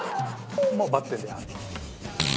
もうバッテンではい。